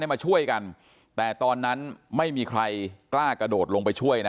มาช่วยกันแต่ตอนนั้นไม่มีใครกล้ากระโดดลงไปช่วยนะ